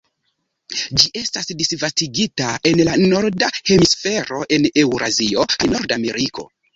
Ĝi estas disvastigita en la Norda hemisfero en Eŭrazio kaj Nordameriko.